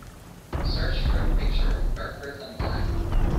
Search for a picture of Darker than black